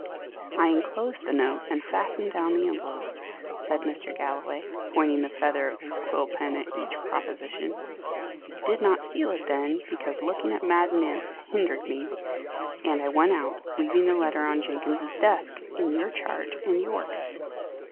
"I enclosed the note, and fastened down the envelope," said Mr. Galloway, pointing the feather of his quill pen at each proposition. "I did not seal it then, because looking at Mad Nance hindered me, and I went out, leaving the letter on Jenkins's desk, in your charge and Yorke's."